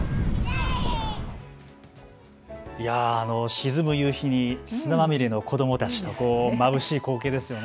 沈む夕日に砂まみれの子どもたち、まぶしい光景ですよね。